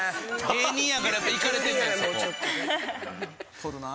芸人やからやっぱいかれてんねんそこ。